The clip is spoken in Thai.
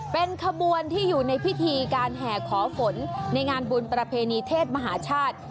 เป็นขบวนที่อยู่ในพิธีการแห่ขอฝนในงานบุญประเพณีเทศมหาชาติ